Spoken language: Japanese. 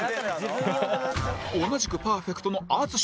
同じくパーフェクトの淳